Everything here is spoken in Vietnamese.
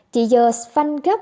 chị giờ phanh gấp để chạy xe